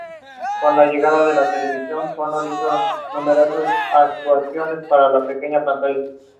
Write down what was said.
It is based on the reign of the Roman Emperor Constantine the Great.